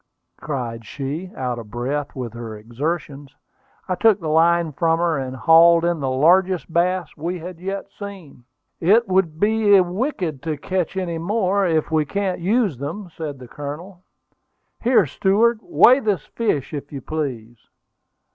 cried she, out of breath with her exertions. I took the line from her, and hauled in the largest bass we had yet seen. "It would be wicked to catch any more, for we can't use them," said the Colonel. "Here, steward, weigh this fish, if you please."